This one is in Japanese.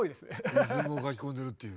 リズムを書き込んでるっていう。